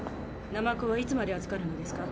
ナマコはいつまで預かるのですか？